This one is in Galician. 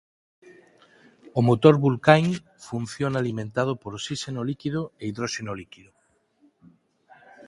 O motor Vulcain funciona alimentado por osíxeno líquido e hidróxeno líquido.